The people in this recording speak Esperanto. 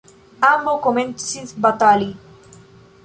Ambaŭ komencis batali.